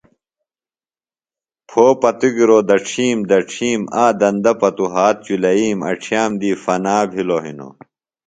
پھو پتوۡ گِرا دڇِھیم دڇِھیم آ دندہ پتوۡ ہات چُلئِیم اڇِھیئم دی فنا بِھلوۡ ہنوۡ